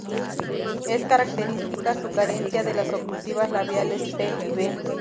Es característica su carencia de las oclusivas labiales p y b.